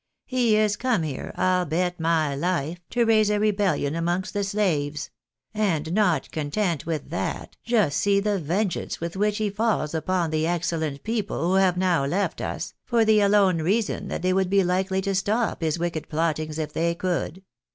He is come here, I'll bet my life, to raise a rebellion amongst the slaves ; and not content with that, just see the vengeance with which he falls upon the excellent people who have now left us, for the alone reason that they would be likely to stop his wicked plottings if they could.